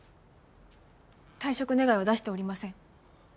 退職願は出しておりません。